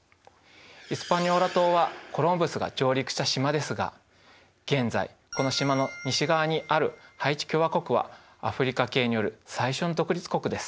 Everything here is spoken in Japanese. イスパニョーラ島はコロンブスが上陸した島ですが現在この島の西側にあるハイチ共和国はアフリカ系による最初の独立国です。